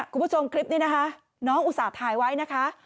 คุณผู้ชมคลิปนี้นะคะน้องอุตส่าห์ถ่ายไว้นะคะ